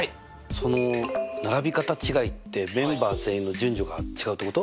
その並び方違いってメンバー全員の順序が違うってこと？